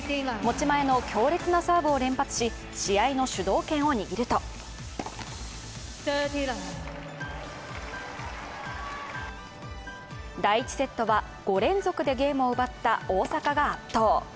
持ち前の強烈なサーブを連発し試合の主導権を握ると第１セットは５連続でゲームを奪った大坂が圧倒。